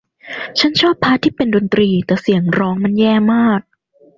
ฉันชอบพาร์ทที่เป็นดนตรีแต่เสียงร้องมันแย่มาก